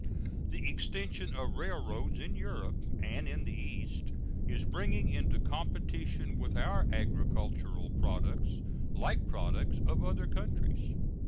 The extension of railroads in Europe and the East is bringing into competition with our agricultural products like products of other countries.